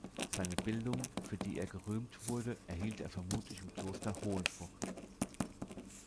Seine Bildung, für die er gerühmt wurde, erhielt er vermutlich im Kloster Hohenfurth.